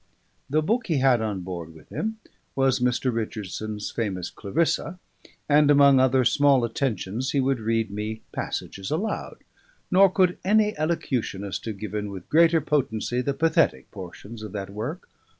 The book he had on board with him was Mr. Richardson's famous "Clarissa," and among other small attentions he would read me passages aloud; nor could any elocutionist have given with greater potency the pathetic portions of that work.